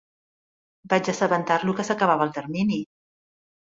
Vaig assabentar-lo que s'acabava el termini.